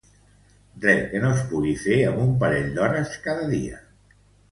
Res que no es pugui fer amb un parell d'hores cada dia.